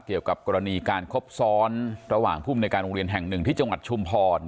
เกี่ยวกับกรณีการคบซ้อนระหว่างภูมิในการโรงเรียนแห่งหนึ่งที่จังหวัดชุมพร